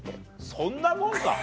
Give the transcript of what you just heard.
そんなもんか。